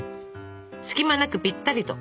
隙間なくぴったりと。